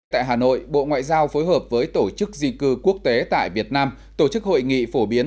tại hà nội bộ ngoại giao phối hợp với tổ chức di cư quốc tế tại việt nam tổ chức hội nghị phổ biến